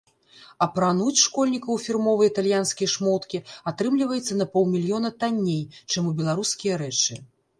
Апрануць школьніка ў фірмовыя італьянскія шмоткі атрымліваецца на паўмільёна танней, чым у беларускія рэчы.